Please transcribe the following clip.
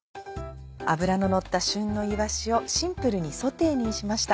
脂ののった旬のいわしをシンプルにソテーにしました。